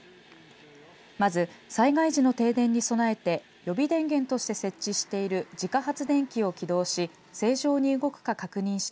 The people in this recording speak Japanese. まず、災害時の停電に備えて予備電源として設置している自家発電機を起動し正常に動くか確認した